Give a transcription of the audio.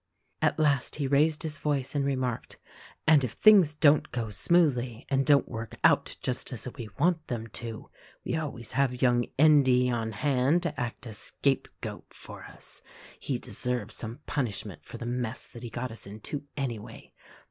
At last he raised his voice and remarked, "And if things don't go smoothly, and don't work out just as we want them to, we have always young Endy on hand to act as scapegoat for us. He deserves some punishment for the mess that he got us into, anyway.